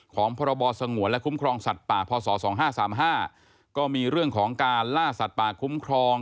พรบสงวนและคุ้มครองสัตว์ป่าพศ๒๕๓๕ก็มีเรื่องของการล่าสัตว์ป่าคุ้มครอง